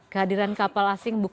kehadiran kapal asing bukan